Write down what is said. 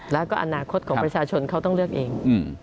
แล้วก็อนาคตของประชาชนเขาต้องเลือกเอง